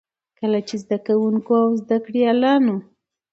کله چې زده کـوونـکو او زده کړيـالانـو